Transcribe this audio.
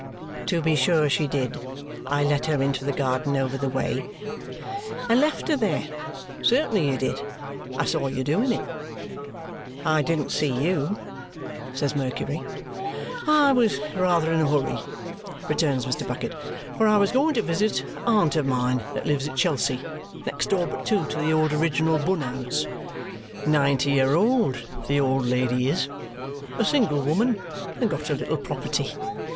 "To be sure she did! I let her into the garden over the way." "And left her there. Certainly you did. I saw you doing it." "I didn't see YOU," says Mercury. "I was rather in a hurry," returns Mr. Bucket, "for I was going to visit a aunt of mine that lives at Chelsea next door but two to the old original Bun House ninety year old the old lady is, a single woman, and got a little property.